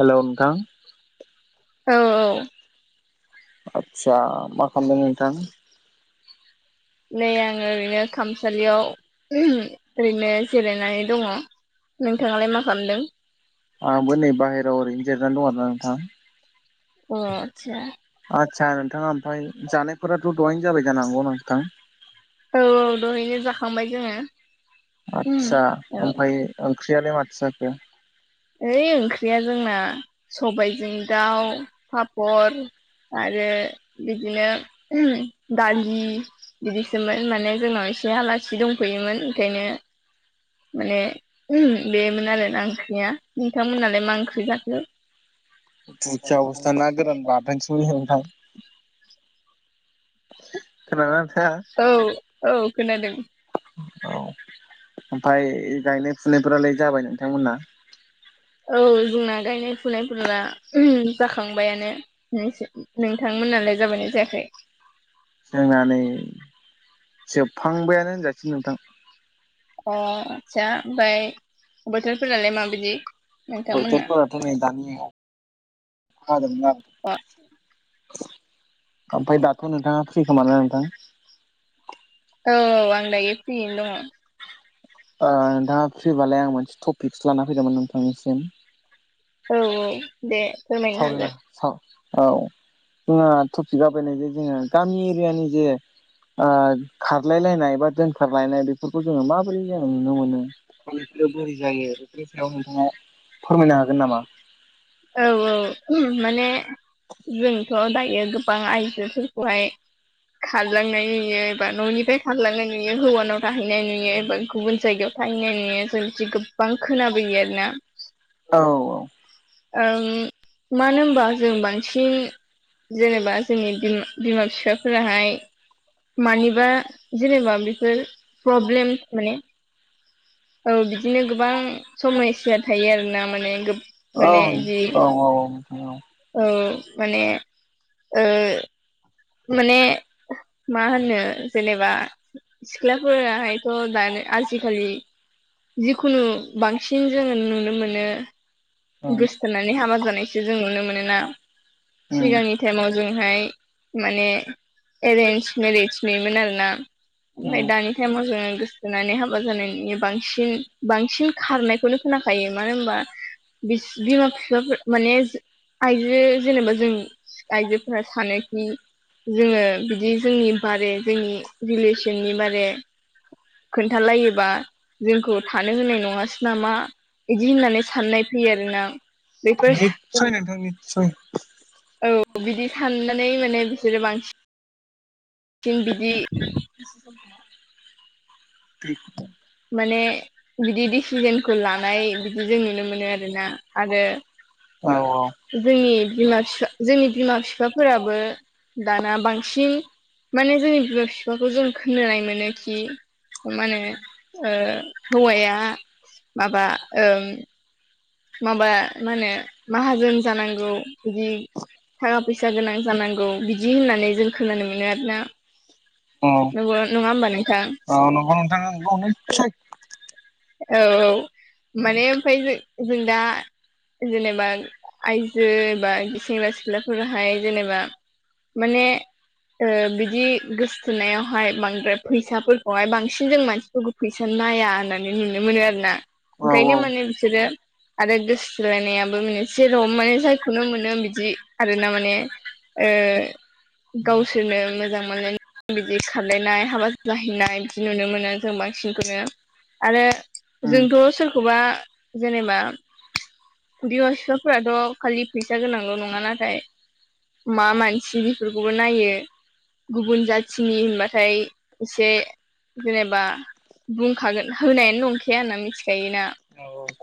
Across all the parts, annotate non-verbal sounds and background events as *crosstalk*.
हेल' नोंथां। औ आतसा मा खालामदों नोंथां। नै आंङो ओरैनो खामसालियाव ओरैनो जिरायनानै दंङ। नोंथांङालाय मा खालामदों। आंबो नै बाहेरायाव ओरैनो जिरनानै दं आरो ना नोंथां। अ आतसा। आस्सा नोंथांङा ओमफफ्राय जानायफोराथ' दहाय जाबाय जानो हांगौ नोंथां। औ औ दहैनो जाखांबाय जोंङो। आदसा ओमफ्राय ओंख्रियालाय माथो जाखो। ओइ ओंख्रिया जोंना सबायाइजों दाउ, पापर आरो बिदिनो ओम दालि बिदिसोमोन माने जोंनाव एसे आलासि दंफैयोमोन ओंखायनो माने ओ बेमोन आरोना ओंख्रिया नोंथांमोनहालाय मा ओंख्रि जाखो। बुरजा अबस्था ना गोरान बा *unintelligible* खोनादों ना नोंथांङा। औ औ खोनादों औ ओमफफ्राय गायनाय-फुनायफोरालाय जाबाय नोंथांमोना। औ जोंना गायनाय-फुनायफोर ओम जाखांबायानो। नोंसो नोंथांमोनालाय जाबायानो जायाखै। जोंनानै जोबहांबायानो होनजासिगोन नोंथां। अ आस्सा ओमफ्राय बोथोरफोरालाय माबायदि। नोंथांमोनना बोथोरफोराथ' दानि अखा हादोंमोन आरो अ। ओमफफाय दाथ' नोंथांङा फ्रि खोमाना नोंथां। औ आंदायै फ्रियैनो दंङ। ओ दा फैबालाय आं मोनसे टपिक्स लाना फैदोंमोन नोंथांनिसिम। औ औ दे फोरमायनो सावरायना हागोन। साव औ जोंहा टपिकआ बायनाय जे जोंङो गामि एरियानि जे ओ खारलाय लायनाय बा दोनखारलायनाय बेफोरखौ जोंङो माबोरै जों नुनो मोनो। बोरै जायो बेफोरनि सायाव नोंथांङा फोरमायनो हागोन नामा औ औ माने जोंथ' दायो गोबां आइजोफोरखौहाय खारलांनाय नुयो एबा न'निफ्राय खारलांनाय नुयो हौवानाव थाहैनाय नुयो एबा गुबुन जायगायाव थाहैनाय नुयो जों गोबां खोनाबोयो आरोना औ ओम मानो होमबा जों बांसिन जेनेबा जोंनि बिमा बिफाफोराहाय मानिबा जेनेबा बेफोर प्रब्लेमस माने औ बिदिनो गोबां समयसया थायो आरोना माने औ माने जि औ औ औ औ माने ओ माने मा होनो जेनेबा सिख्लाफोराहायथ' दानि आजिखालि जिखुनु बांसिन जोङो नुनो मोनो ओम गोसथोनानै हाबा जानायसो जों नुनो मोनोना सिगांनि टाइमाव जोंहाय माने एरेन्ज मेरिज बेमोन आर ना ओमफ्राय ओम दानि हम जेनो गोसथोनानै हाबा जानायनि बांसिन बांसिन खारनायखौनो खोनाखायो मानो होनबा बिस बिमा बिफाफोर माने आइजो जेनेबा जों आइजो फ्रा सानोखि जोंङो बिदि जोंनि बारे जोंनि रिलेसननि बारे खोन्थालायोबा जोंखौ थानो होनाय नङासै नामा बिदि होननानै साननाय फैयो आरोना बेफोर निस्सय नोंथां निस्सय औ बिदि साननानै माने बिसोरो बांसिन सिन बिदि *unintelligible* माने बिदि डिसिजोनखौ लानाय बिदि जों नुनो मोनो आरोना आरो औ औ जोंनि बिमा बिफा जोंनि बिमा बिफाफोराबो दाना बांसिन माने जोंनि बिमा बिफाखौ जों खोनानाय मोनो खि मा होनो ओ हौवाया माबा ओ माबा मा होनो माहाजोन जानांगौ बिदि थाखा फैसा गोनां जानांगौ बिदि होननानै जों खोनानो मोनो आरोना औ *unintelligible* नङा होमबा नोंथां औ नगौ नोंथां नगौ औ औ माने ओमफ्राय जों जों दा जेनेबा आइजो एबा सेंग्रा सिख्लाफोराहाय जेनेबा माने बेदि गोसो सुनायावहाय बांद्राय फैसाफोरखौहाय बांसिन जों मानसिफोरखौ फैसा नाया होनना नुनो मोनो आरोना औ औ ओंखायनो माने बिसोरो आरो गोसोलायनायाबो जेरहम माने जायखौनो मोनो बिदि आरोना माने ओ गावसोरनो मोजां मोनलाय बिदि खारलायनाय हाबा जहैनाय बिदि नुनो मोनो जों बांसिनखौनो आरो ओम जोंथ' सोरखौबा जेनेबा बिमा‌ बिफा फोराथ' खालि फैसा गोनांल' नंङा नाथाय मा मानसि बेफोरखौबो नायो गुबुन जाथिनि होन ओमफ्राय एसे जेनेबा खागोन होनायानो नंखाया होनना मिथिखायोना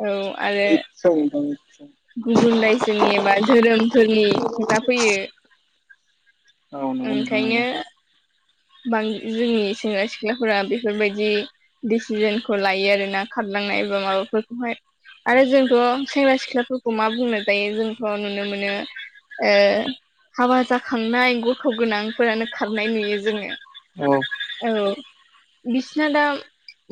औ आरो *unintelligible* गुबुन रायजोनि एबा धोरोमफोरनि खोथा फैयो औ नंगौ नोंथा नंगौ ओंखायनो बां जोंनि सेंग्रा सिख्लाफोरा बेफोरबायदि दिसिजनखौ लायो आरोना खारलांनाय बा माबाफोरखौहाय आरो जोंथ' सेंग्रा सिख्लाफोरखौ मा बुंनाय जायो जोंथ' नुनो मोनो हाबा जाखांनाय गथ' गोनांफोरानो खारनाय नुयो जोंङो औ औ बिसना दा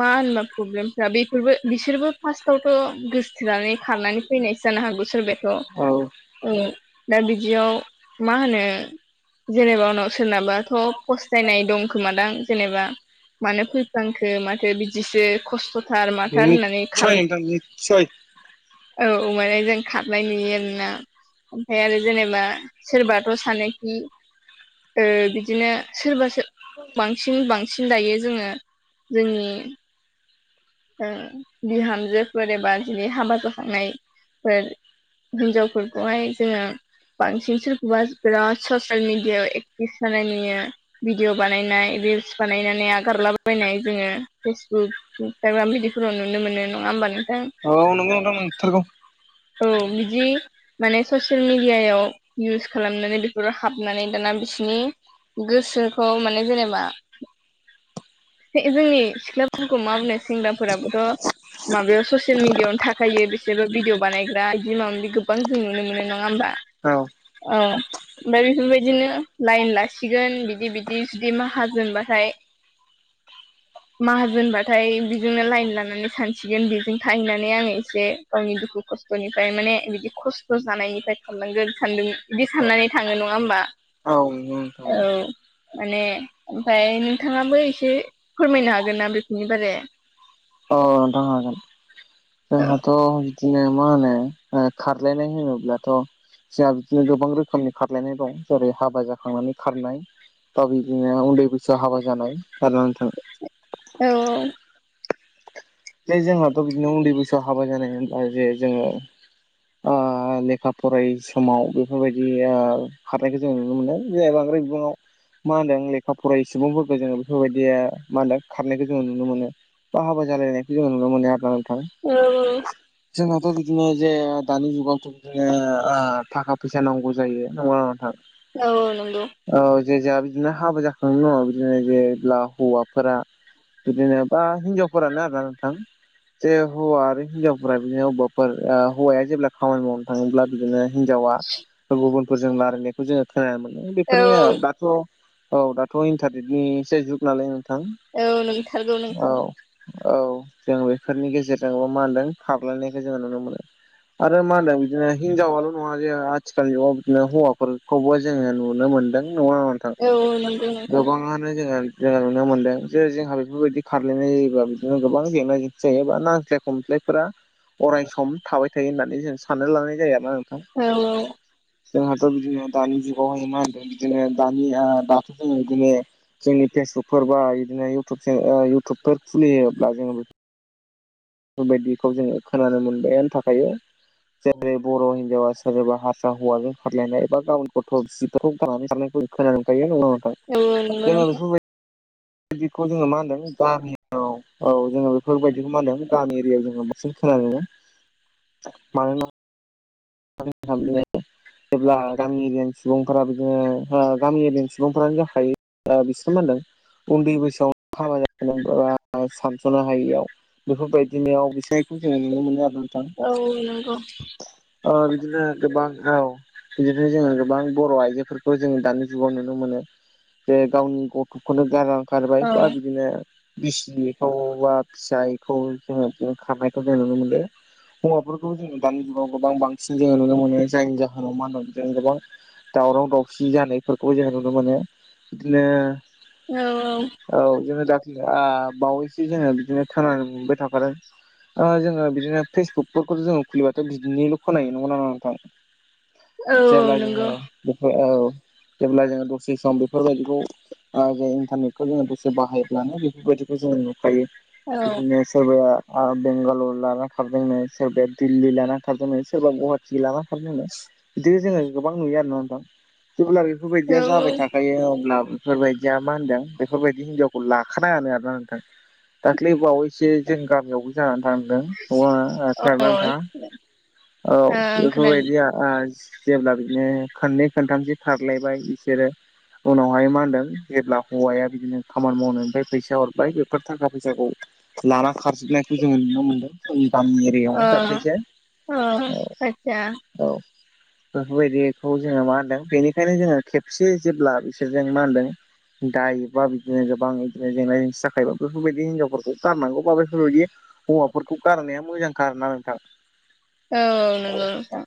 मा होनबा प्रब्लेमफ्रा बेफोरबो बिसोरबो फार्स्टावथ' गोसोथनानै खारनानै फैनायसो जानो हागौ औ सोरबथ' दा बिदियाव मा होनो जेनेबा उनाव सोरनाबाथ' फस्थायनाय दंखोमादां जेनेबा मानो फैफ्लांखो माथो बिदिसो खस्थ थार माथार होननानै निस्सय नोंथां निस्सय औमाने जों खारनाय नुयो आरोना ओमफ्राय आरो जेनेबा सेर बाथ' सानोखि बिदिनो सोरबाासो बांसिन बांसिन दायो जोंङो जोंनि ओम बिहामजोफोर एबा दिनै हाबा जाखांनायफोर। हिनजावफोरखौहाय जोङो बांसिन सोरखौबा बिराद ससियेल मिडियायाव एक्टिभ थानाय नुयो। भिडिअ बानायनाय रिल्स बानायनानै आगारलाबायनाय जोङो फेसबुक स्टाग्राम बिदिफोराव नुनो मोनो नङा होमबा नोंथां? औ नंगौ नोंथां नंथारगौ औ बिदि माने ससियेल मिडियायाव इउस खालामनानै बेफोराव हाबनानै दाना बिसिनि गोसोखौ माने जेनेबा *unintelligible* जोंनि सिख्लाफोरखौ मा बुंनो सेंग्राफोराबोथ' माबायाव ससियेल मिडियाआवनो थाखायो बिसोरबो भिडिअ बानायग्रा इदि माबा माबि गोबां जों नुनो मोनो नङा होमबा औ औ। ओमफ्राय बेफोरबायदिनो लाइन लासिगोन बिदि बिदि जुदि माहाजोनबाथाय माहाजोनबाथाय बिजोंनो लाइन लानानै सानसिगोन बिजों थाहैनानै आङो एसे गावनि दुखु खस्थ'निफ्राय माने बिदि खस्थ' जानायनिफ्राय खारलांगोन सानदों बिदि साननानै थाङो नङा होमबा? औ औ *unintelligible* माने ओमफाय नोंथाङाबो एसे फोरमायनो हागोन ना बेफोरनि बारे? अ नोंथां हागोन औ जोंहाथ' दिनो मा होनो ओ खारलायनाय होनोब्लाथ' जोंहा बिदिनो गोबां रोखोमनि खारलायनाय दं जेरै हाबा जाखांनानै खारनाय बा बिदिनो उन्दै बैसोआव हाबा जानाय गारनानै थांदो औ औ। जे जोंहाथ' बिदिनो उन्दै बैसोआव हाबा जानाय होनब्ला जे जोङो ओ लेखा फरायि समाव बेफोरबायदि ओ खारनायखो जों नुनो मोनो जे बांद्राय बिबाङाव मा होनदों लेखा फरायि सुबुंफोरखौ जोङो बेफोरबायदिया मा होनो खारनायखौ जोङो नुनो मोनो बा हाबा जालायनाय खो जों नुनो मोनो आरोना नोंथां औ जोंहाथ' बिदिनो जे दानि जुगाव *unintelligible* थाखा फैसा नांगौ जायो *unintelligible* औ नोंगौ। औ जे जाहा बिदिनो हाबा जाखांनायनि बिदिनो जेब्ला हौवाफोरा बिदिनो बा हिन्जावफोरानो आरोना नोंथां जे हौवा आरो हिनजावफोरा बिदिनो अब्बाफोर ओ हौवाया जेब्ला खामानि मावनो थाङोब्ला बिदिनो हिनजावा ओ गुबुनफोरजों लारानायखौ जोङो खोनानो मोनो औ औ बेफोरनियाव दाथ' औ दाथ' इन्टारनेटनि एसे जुग नालाय नोंथां औ नंथारगौ औ। नोंथां औ जों बेफोरनि गेजेरजोंबो मा होनदों खारलायनायखौ जोङो नुनो मोनो। आरो मा होनदों बिदिनो हिनजावाल' न *unintelligible* आथिखाल जुगाव बिदिनो हौवाफोरखौबो जोङो नुनो मोनदों नङा थां औ नंगौ नोंथां औ गोबाङा *unintelligible* जे जोंहा बेफोरबायदि खारलायनाय जायोब्ला बिदिनो गोबां *unintelligible* अराय सम थाबाय थायो होननानै जों सानना लानाय जायो आरोना नोंथां। औ जोंहाथ' बिदिनो दानि जुगावहाय मा होनदों बिदिनो दानि आ दाथ' जोङो इदिनो जोंनि फेसबुकफोर बा बिदिनो इउटुबसे ओ इउटुबफोर खुलियोब्ला जोङो बेफोरबायदिखौ जोङो खोनानो मोनबायानो थाखाय जेरै बर' हिनजावा सोरबा हारसा हौवाजों खारलायनाय। *unintelligible* जोङो औ नंगौ बेफोरबाय बिखौ जोङो मा होनदों *unintelligible* औ जोङो बेफोरबायदिखौ मा होनदों गामि एरियाव जोङो बांसिन खोनानो मोनो। *inaudible* *unintelligible* जेब्ला गामि एरियानि सुबुंफोरा बिदिनो ओ गामि एरियानि सुबुंफ्रानो जाखायो। ओ बिसो मा होनदों? उन्दै बैसोआव हाबा *unintelligible* सानस'नो हायियाव बेफोरबायदिनियाव बिसोर जोङो नुनो मोनो आरो ना नोंथां औ नोंग ओ बिदिनो गोबां औ बिनिफ्रायनो जोङो गोबां बर' आइजोफोरखौ जोङो दानि जुगाव नुनो मोनो जे गावनि गथ' खौनो गारा गारबाय बा बिदिनो बिसिखौ बा फिसायखौ जोङो खारनायखौ जों नुनो मोनो हौवाफोरखौ जोङो दानि जुगाव गोबां बांसिन जोङो नुनो मोनो जायनि जाहोनाव मा होनो जों गोबां दावराव दावसि जानायफोरखौ जों नुनो मोनो बिदिनो औ औ औ जोङो दाख्लि आ बावैसो जोङो बिदिनो खोनानो मोनबाय थाखादों ओ जोङो बिदिनो फेसबुकफोरखौथ' जों खुलिबाथ' बिदनिल' खोनायो नंगौना नङा नोंथां औ जेब्ला जोङो नंगौ बेफोर औ जेब्ला जोङो दसे सम बे बेफोरबायदिखौ ओ जे इन्टारनेटखौ जोङो दसे बाहायोब्लानो बेफोरबायदिखौ जोङो नुखायो। औ बिदिनो सोरबाया ओ बेंगालर लानाखारदोंनो सोरबाया दिल्ली लानाखारदोंनो। सोरबा गहाटि लानाखारदोंनो बिदिनो जोङो गोबां नुयो आरो नङा होमबा रिगुलार औ इफोरबायदिया जाबाय थाखायो अब्लाबो बेफोरबायदिया मा होनदों बेफोरबायदि हिनजावखौ लाखानाङानो आरोना नोंथां। दाख्लै बावैसो जों गामियावबो जानानै थांदों ओ ओ अ खोनादोंना ओं नोंथाङा? औ खोनादों बेफोरबायदिया ओ जेब्ला बिदिनो खोनननै खोनथामसो खारलायबाय बिसोरो उनावहाय मा होनदों जेब्ला हौवाया बिदिनो खामानि मावनायनिफ्राय फैसा हरबाय बेफोर थाखा फैसाखौ लाना खारजोबनायखौ जोङो नुनो मोनदों जों गामि एरियायाव दाख्लैसो। ओ आतसा औ बेफोरबायदिखौ जोङो मा होनदों बेनिखायनो जोङो खेबसे जेब्ला बिसोरजों मा होनदों दाय एबा बिदिनो गोबां इदिनो जेंना जेंसि जाखायोबा बेफोरबायदि हिनजाव *unintelligible* गारनांगौ बा बैफोरबायदि हौवाफोरखौ गारनाया मोजांखा आरो ना नोंथां। औ औ नोंगौ नोंथां।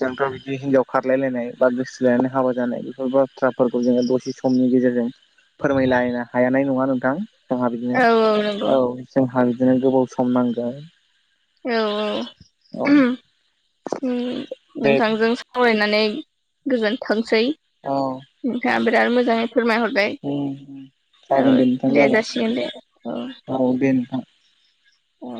जोंथ' बिदि हिनजाव खारलाय लायनाय बा गोसथोलायनानै हाबा जानाय बेफोर बाथ्राफोरखौ जोङो दसे सम समनि गेजेरजों फोरमायलायनो हायानाय नङा नोंथां जोंहा बिदिनो औ। जोंहा बिदिनो गोबाव सम नांगोन। औ औ *unintelligible* दे नोंथांजों सावरायनानै गोजोनथोंसै औ नोंथाङा बिराद मोजाङै फोरमायहरबाय औ जागोन नोंथां दे जागोन जासिगोन दे औ औ दे नोंथां अ